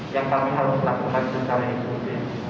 yang kami harus lakukan secara inklusif